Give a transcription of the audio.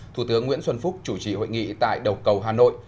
thủ tướng nguyễn xuân phúc chủ trì hội nghị tại đầu cầu hà nội